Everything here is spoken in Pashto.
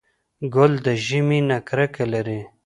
ګل د ژمي نه کرکه لري.